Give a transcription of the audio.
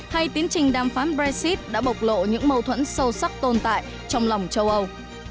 hay tiến trình đàm phán brexit đã bộc lộ những mâu thuẫn sâu sắc tồn tại trong lòng châu âu